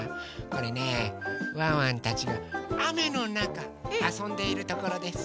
これねワンワンたちがあめのなかあそんでいるところです。